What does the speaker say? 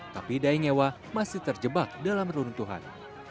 tapi dayengewa masih terjebak dalam runung tuhan